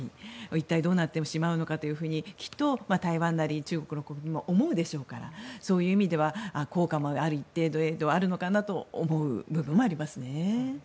一体、どうなってしまうのかというふうにきっと台湾なり中国の国民も思うんでしょうからそういう意味では一定の効果はあるのかなと思う部分はありますね。